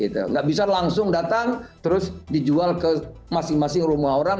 tidak bisa langsung datang terus dijual ke masing masing rumah orang